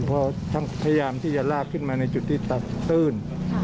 เพราะพยายามที่จะลากขึ้นมาในจุดที่ตักตื้น